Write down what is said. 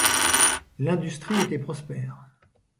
L'industrie était prospère.